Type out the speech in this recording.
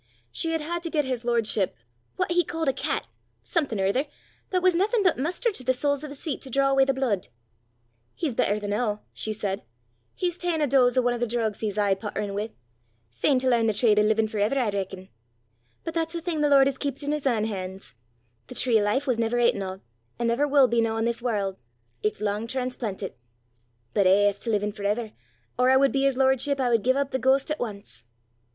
She had had to get his lordship "what he ca'd a cat something or ither, but was naething but mustard to the soles o' 's feet to draw awa' the blude." "He's better the noo," she said. "He's ta'en a doze o' ane o' thae drogues he's aye potterin' wi' fain to learn the trade o' livin' for ever, I reckon! But that's a thing the Lord has keepit in 's ain han's. The tree o' life was never aten o', an' never wull be noo i' this warl'; it's lang transplantit. But eh, as to livin' for ever, or I wud be his lordship, I wud gie up the ghost at ance!"